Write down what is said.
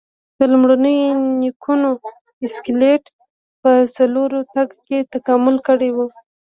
د لومړنیو نیکونو اسکلیټ په څلورو تګ کې تکامل کړی و.